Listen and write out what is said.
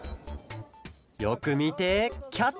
よくみてキャッチ！